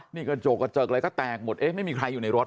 นี่กระจกกระเจิกอะไรก็แตกหมดเอ๊ะไม่มีใครอยู่ในรถ